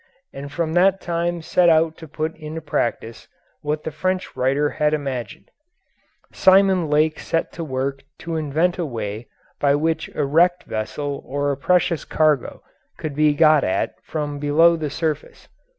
and from that time set out to put into practice what the French writer had imagined. Simon Lake set to work to invent a way by which a wrecked vessel or a precious cargo could be got at from below the surface.